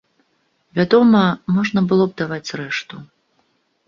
Вядома, можна было б даваць рэшту.